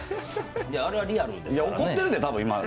あれはリアルですからね。